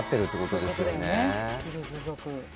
ヒルズ族。